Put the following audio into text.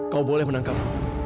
kau boleh menangkap